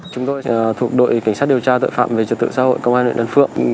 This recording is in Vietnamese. chúng tôi thuộc đội cảnh sát điều tra tội phạm về trực tượng xã hội công an huyện đàn phượng